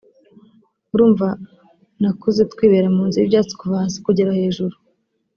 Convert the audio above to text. urumva nakuze twibera mu nzu y’ibyatsi kuva hasi kugera hejuru